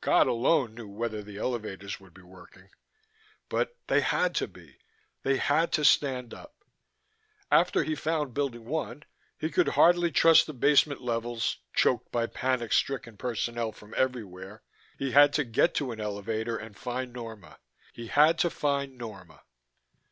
God alone knew whether the elevators would be working ... but they had to be, they had to stand up. After he found Building One (he could hardly trust the basement levels, choked by panic stricken personnel from everywhere) he had to get an elevator and find Norma.... He had to find Norma.